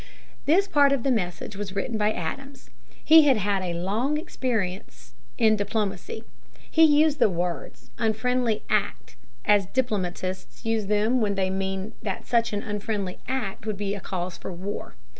This part of the message was written by Adams. He had had a long experience in diplomacy. He used the words "unfriendly act" as diplomatists use them when they mean that such an "unfriendly act" would be a cause for war.